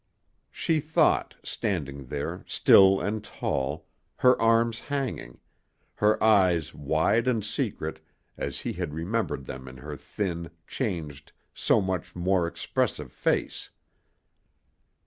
She thought, standing there, still and tall, her arms hanging, her eyes wide and secret, as he had remembered them in her thin, changed, so much more expressive face.